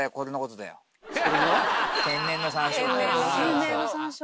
天然の山椒。